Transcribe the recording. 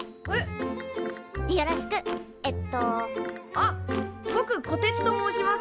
あっぼくこてつと申します。